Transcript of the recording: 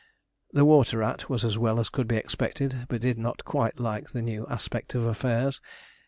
The water rat was as well as could be expected, but did not quite like the new aspect of affairs.